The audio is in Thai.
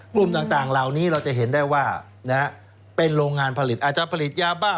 กลุ่มต่างเหล่านี้เราจะเห็นได้ว่าเป็นโรงงานผลิตอาจจะผลิตยาบ้า